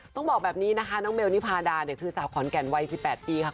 ต้องบอกแบบนี้นะคะน้องเบลนิพาดาเนี่ยคือสาวขอนแก่นวัย๑๘ปีค่ะ